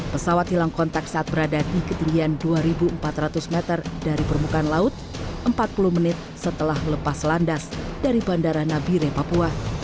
pesawat hilang kontak saat berada di ketinggian dua empat ratus meter dari permukaan laut empat puluh menit setelah lepas landas dari bandara nabire papua